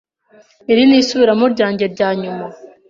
Iri ni isubiramo ryanjye rya nyuma.